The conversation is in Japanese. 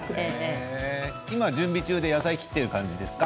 今、準備中で野菜を切っている感じですか？